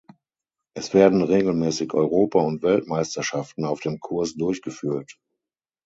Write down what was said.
Es werden regelmässig Europa- und Weltmeisterschaften auf dem Kurs durchgeführt.